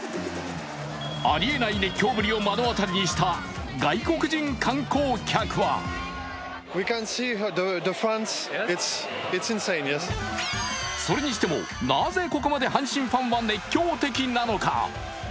ありえない熱狂ぶりを目の当たりにした外国人観光客はそれにしても、なぜここまで阪神ファンは熱狂的なのか。